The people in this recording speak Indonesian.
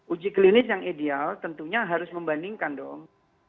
uji klinis yang ideal tentunya harus membandingkan dong